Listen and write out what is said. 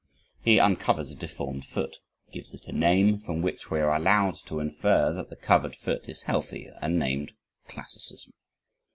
He uncovers a deformed foot, gives it a name, from which we are allowed to infer that the covered foot is healthy and named classicism.